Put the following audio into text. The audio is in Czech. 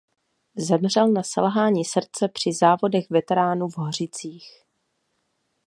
Zemřel na selhání srdce při závodech veteránů v Hořicích.